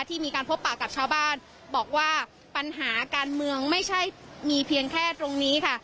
ที่มีการพบปากกับชาวบ้านบอกว่าปัญหาการเมืองไม่ใช่มีเพียงแค่ตรงนี้ค่ะ